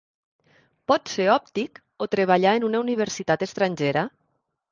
Pot ser òptic o treballar en una universitat estrangera.